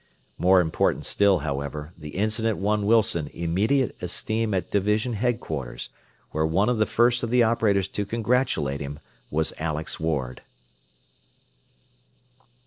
More important still, however, the incident won Wilson immediate esteem at division headquarters, where one of the first of the operators to congratulate him was Alex Ward.